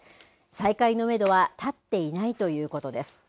再開のめどは立っていないということです。